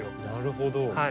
なるほど。